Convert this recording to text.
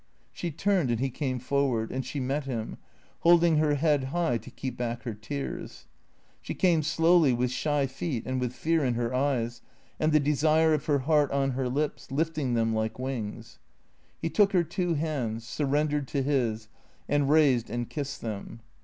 She turned, and he came forward, and she met him, holding her head high to keep back her tears. She came slowly, with shy feet and with fear in her eyes, and the desire of her heart on her lips, lifting them like wings. He took her two hands, surrendered to his, and raised and kissed them.